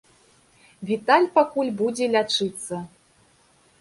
Віталь пакуль будзе лячыцца.